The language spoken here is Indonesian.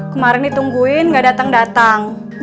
kemarin ditungguin gak datang datang